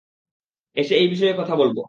এসে, এই বিষয়ে কথা বলব।